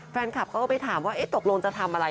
แฟนคลับเขาก็ไปถามว่าตกลงจะทำอะไร